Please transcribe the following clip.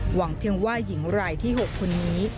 หวังเพียงว่าหญิงรายที่๖คนนี้